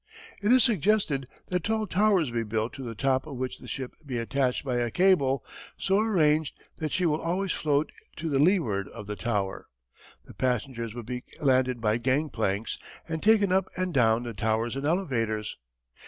It is suggested that tall towers be built to the top of which the ship be attached by a cable, so arranged that she will always float to the leeward of the tower. The passengers would be landed by gangplanks, and taken up and down the towers in elevators.